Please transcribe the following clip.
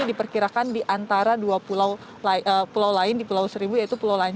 diperkirakan di antara dua pulau lain di pulau seribu yaitu pulau langit